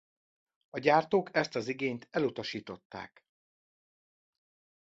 A gyártók ezt az igényt elutasították.